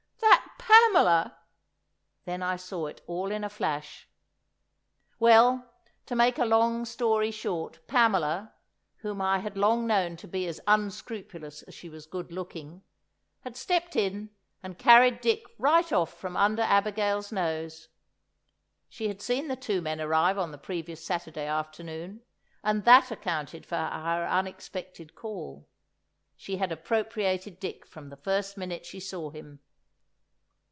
"That Pamela——" Then I saw it all in a flash! Well, to make a long story short, Pamela, whom I had long known to be as unscrupulous as she was good looking, had stepped in and carried off Dick right from under Abigail's nose! She had seen the two men arrive on the previous Saturday afternoon, and that accounted for her unexpected call. She had appropriated Dick from the first minute she saw him.